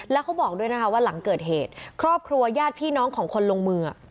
แล้วเขาบอกด้วยนะคะว่าหลังเกิดเหตุครอบครัวญาติพี่น้องของคนลงมือ